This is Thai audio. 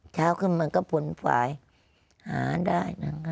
เช้าขึ้นมาก็พนฝ่ายหาได้นะ